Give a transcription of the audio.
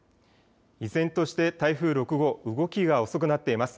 依然として台風６号、動きが遅くなっています。